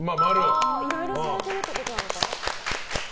いろいろされてるってことなのかな。